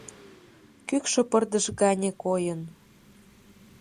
Кӱкшӧ пырдыж гане койын